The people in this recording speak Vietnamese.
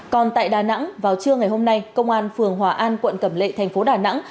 còn tại đà nẵng vào trưa ngày hôm nay công an phường hòa an quận cẩm lệ thành phố đà nẵng